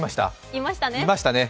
いましたね。